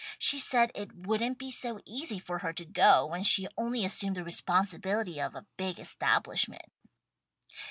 She said it wouldn't be so easy for her to go when she once assumed the responsibility of a big establishment."